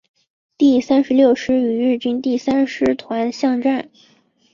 第三十六师与日军第三师团巷战。